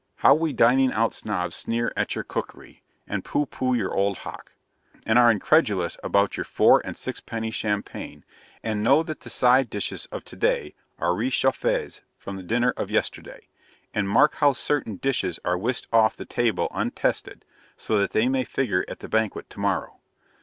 How we Dining out Snobs sneer at your cookery, and pooh pooh your old hock, and are incredulous about your four and six penny champagne, and know that the side dishes of to day are RECHAUFFES from the dinner of yesterday, and mark how certain dishes are whisked off the table untasted, so that they may figure at the banquet tomorrow.